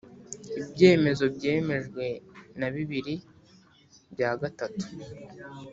Ibyemezo byemejwe na bibiri bya gatatu